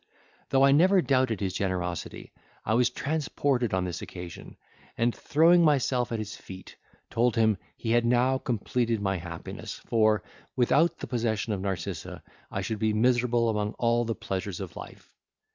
Though I never doubted his generosity, I was transported on this occasion, and throwing myself at his feet, told him, he had now completed my happiness, for, without the possession of Narcissa I should be miserable among all the pleasures of life.